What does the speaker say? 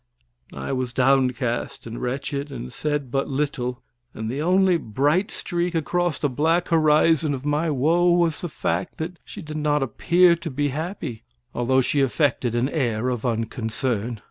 I was downcast and wretched, and said but little, and the only bright streak across the black horizon of my woe was the fact that she did not appear to be happy, although she affected an air of unconcern.